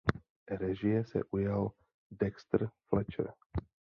Režie se ujal Dexter Fletcher.